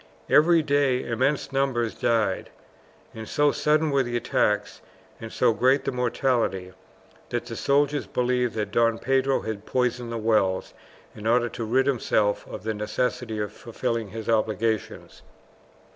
Every day immense numbers died, and so sudden were the attacks, and so great the mortality, that the soldiers believed that Don Pedro had poisoned the wells in order to rid himself of the necessity of fulfilling his obligations.